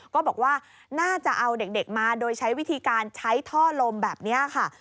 ก็บอกว่าน่าจะเอาเด็กมาโดยใช้วิธีการใช้ท่อลมแบบนี้ค่ะ